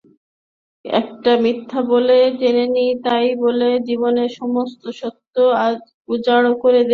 একটা মিথ্যা বলে জেনেছি, তাই বলে জীবনের সমস্ত সত্য আজ উজাড় হয়ে গেল?